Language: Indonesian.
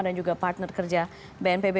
dan juga partner kerja bnpb